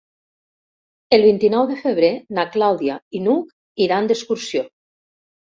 El vint-i-nou de febrer na Clàudia i n'Hug iran d'excursió.